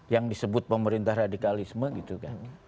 yang disebut pemerintah radikalisme gitu kan